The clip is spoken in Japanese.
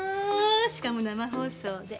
しかも生放送で。